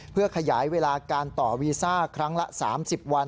เพื่อขยายเวลาการต่อวีซ่าครั้งละ๓๐วัน